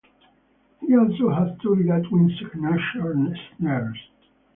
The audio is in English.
He also had two Ludwig signature snares.